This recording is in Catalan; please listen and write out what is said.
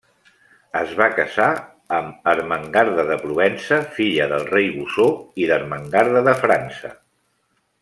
Es va casar amb Ermengarda de Provença, filla del rei Bosó i d'Ermengarda de França.